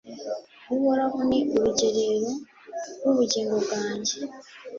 uhoraho ni urugerero rw'ubugingo bwanjye